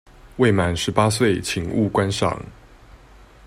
未滿十八歲請勿觀賞